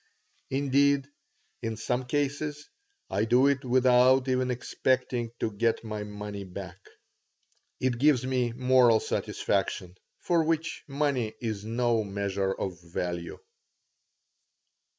Indeed, in some cases I do it without even expecting to get my money back. It gives me moral satisfaction, for which money is no measure of value.